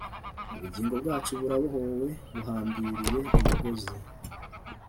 ubugingo bwacu burabohowe, buhambiriye umugozi;